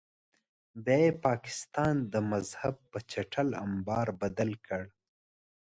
بیا یې پاکستان د مذهب په چټل امبار بدل کړ.